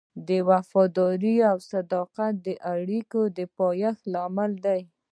وفاداري او صداقت د اړیکو د پایښت لامل دی.